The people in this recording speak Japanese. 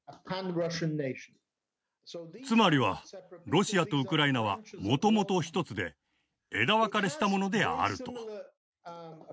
つまりはロシアとウクライナはもともと一つで枝分かれしたものであると。